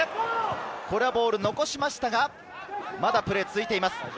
ボールを残しましたが、まだプレーが続いています。